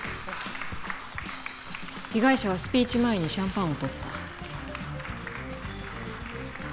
被害者はスピーチ前にシャンパンを取った。